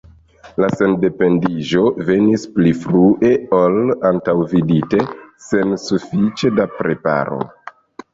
La sendependiĝo venis pli frue ol antaŭvidite, sen sufiĉe da preparo.